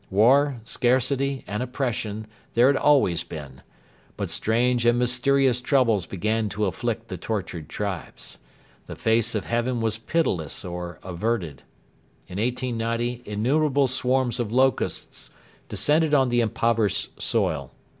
War, scarcity, and oppression there had always been. But strange and mysterious troubles began to afflict the tortured tribes. The face of heaven was pitiless or averted. In 1890 innumerable swarms of locusts descended on the impoverished soil.